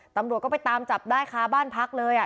ตำรวจก็ไปตามจับได้ค้าบ้านพักเลย